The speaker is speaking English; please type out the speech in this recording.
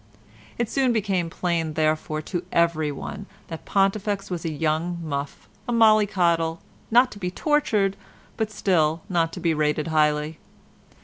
It soon became plain, therefore, to everyone that Pontifex was a young muff, a mollycoddle, not to be tortured, but still not to be rated highly.